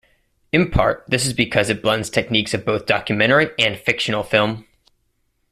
In part this is because it blends techniques of both documentary and fictional film.